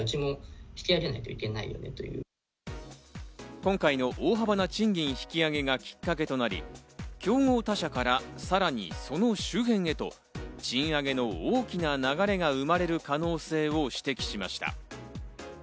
今回の大幅な賃金引き上げがきっかけとなり、競合他社からさらにその周辺へと賃上げの大きな流れが生まれる可能性を指摘しました。